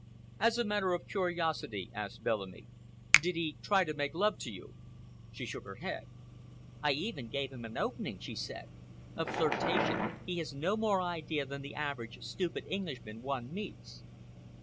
"As a matter of curiosity," asked Bellamy, "did he try to make love to you?" She shook her head. "I even gave him an opening," she said. "Of flirtation he has no more idea than the average stupid Englishman one meets."